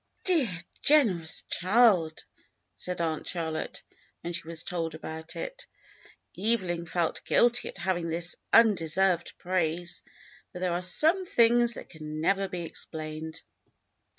"Dear, generous child!" said Aunt Charlotte, when she was told about it. Evelyn felt guilty at having this undeserved praise. But there are some things that can never be explained.